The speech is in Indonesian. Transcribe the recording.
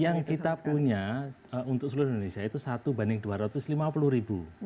yang kita punya untuk seluruh indonesia itu satu banding dua ratus lima puluh ribu